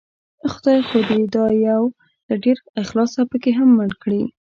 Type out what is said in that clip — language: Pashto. خدای خو دې دا يو له ډېر اخلاصه پکې هم مړ کړي